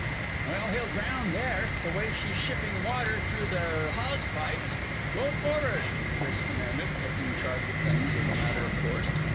"Well, he'll drown there the way she's shipping water through the hawse pipes. Go for'ard!" Chris commanded, taking charge of things as a matter of course.